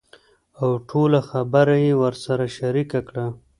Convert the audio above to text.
اوټوله خبره يې ورسره شريکه کړه .